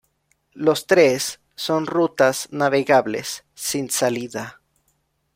Los tres son rutas navegables sin salida.